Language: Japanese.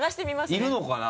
いるのかな？